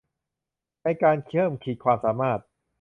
ในการเพิ่มขีดความสามารถ